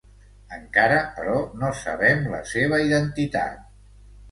Encara, però, no sabem la seva identitat.